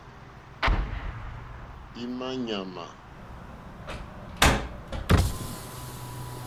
Ímá ŋmánà.